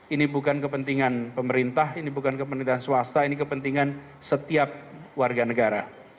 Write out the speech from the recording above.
ini bukan kepentingan pemerintah ini bukan kepentingan swasta ini kepentingan setiap warga negara